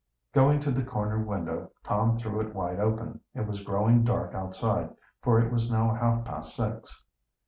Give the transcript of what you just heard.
Going to the corner window Tom threw it wide open. It was growing dark outside, for it was now half past six.